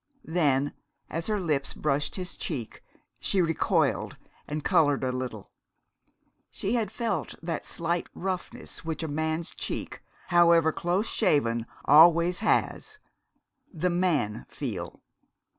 Then, as her lips brushed his cheek, she recoiled and colored a little. She had felt that slight roughness which a man's cheek, however close shaven, always has the man feel.